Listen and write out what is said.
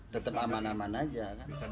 tetap aman aman saja